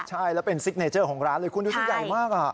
ใช่แล้วเป็นซิกเนเจอร์ของร้านเลยคุณดูจะใหญ่มาก